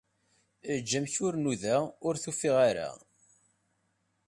Eǧǧ amek ur nudaɣ, ur t-ufiɣ ara.